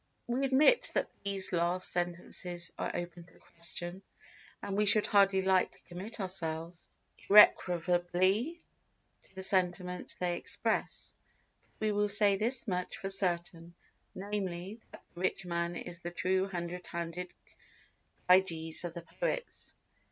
We admit that these last sentences are open to question, and we should hardly like to commit ourselves irrecoverably to the sentiments they express; but we will say this much for certain, namely, that the rich man is the true hundred handed Gyges of the poets.